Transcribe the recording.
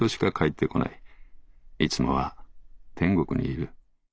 いつもは天国にいる。